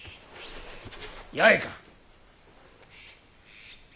八重か。